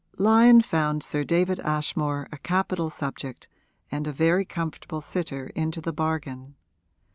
II Lyon found Sir David Ashmore a capital subject and a very comfortable sitter into the bargain.